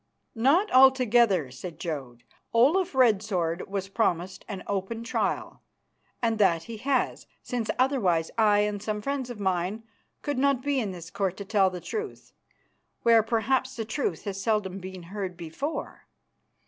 "Not altogether," said Jodd. "Olaf Red Sword was promised an open trial, and that he has, since otherwise I and some friends of mine could not be in this Court to tell the truth, where perhaps the truth has seldom been heard before.